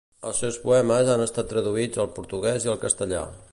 Els seus poemes han estat traduïts al portuguès i al castellà.